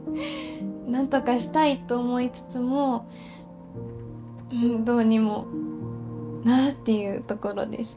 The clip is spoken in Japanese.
なんとかしたいと思いつつもうんどうにもなあっていうところです